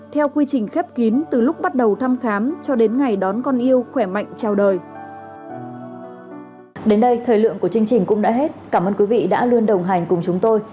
theo quy trình khép kín từ lúc bắt đầu thăm khám cho đến ngày đón con yêu khỏe mạnh chào đời